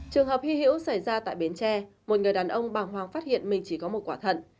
trường hợp hy hữu xảy ra tại bến tre một người đàn ông bàng hoàng phát hiện mình chỉ có một quả thận